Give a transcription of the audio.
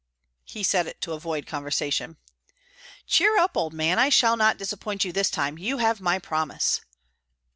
He said it to avoid conversation. "Cheer up, old man! I shall not disappoint you this time. You have my promise."